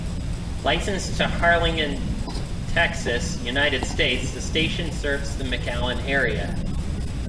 Licensed to Harlingen, Texas, United States, the station serves the McAllen area.